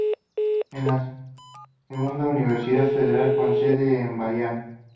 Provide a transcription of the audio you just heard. Es la segunda universidad federal con sede en Bahía.